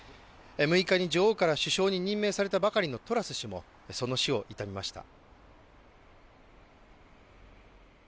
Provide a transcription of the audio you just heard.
６日に女王から首相に任命されたばかりのトラス氏も、その死を悼みました。